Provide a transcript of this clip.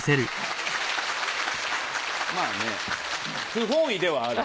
まぁね不本意ではある。